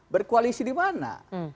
berkoalisi di mana